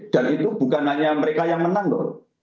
itu bukan hanya mereka yang menang loh